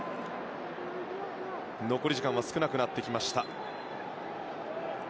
残り時間が少なくなってきました。